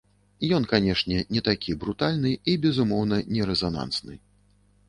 Ён, канешне, не такі брутальны і, безумоўна, не рэзанансны.